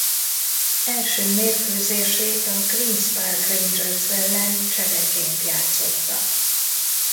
Első mérkőzését a Queens Park Rangers ellen csereként játszotta.